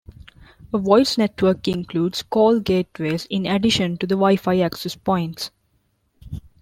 A voice network includes call gateways in addition to the Wi-Fi access points.